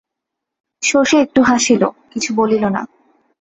শশী একটু হাসিল, কিছু বলিল না।